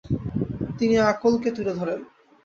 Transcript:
তিনি আকলকে তুলে ধরেন।